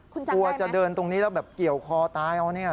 คุณจำได้ไหมกลัวจะเดินตรงนี้แล้วแบบเกี่ยวคอตาอย่างนี้